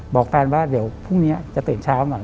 บอกแฟนว่าเดี๋ยวพรุ่งนี้จะตื่นเช้าหน่อย